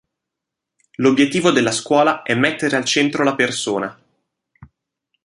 L'obiettivo della scuola è mettere al centro la persona.